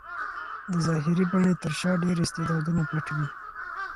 د ظاهري بڼې تر شا ډېر استعدادونه پټ وي.